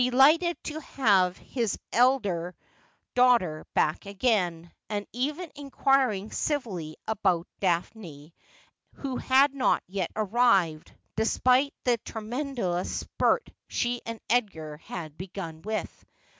lighted to have his elder daughter back again, and even inquiring civilly about Daphne, who had not yet arrived, despite the tre mendous spurt she and Edgar had begun with.